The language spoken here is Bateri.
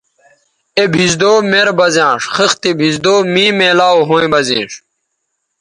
اے بھیزدو مر بہ زیانݜ خِختے بھیزدو مے میلاو ھویں بہ زیانݜ